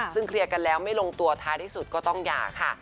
ซึ่งเคลียร์กันแล้วไม่ลงตัวท้ายที่สุดก็ต้องหย่าค่ะ